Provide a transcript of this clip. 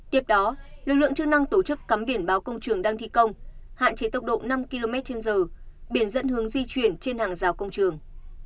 tiếp đó lực lượng chức năng tổ chức cắm biển báo công trường đang thi công hạn chế tốc độ năm km trên giờ biển dẫn hướng di chuyển trên hàng rào công trường